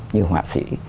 như họa sĩ